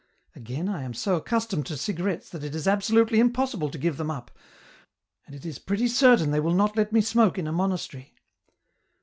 " Again, I am so accustomed to cigarettes that it is 120 EN ROUTE. absolutely impossible to give them up, and it is pretty certain they will not let me smoke in a monastery.